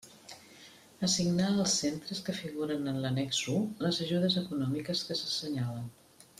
Assignar als centres que figuren en l'Annex u les ajudes econòmiques que s'assenyalen.